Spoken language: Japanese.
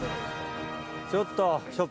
ちょっと。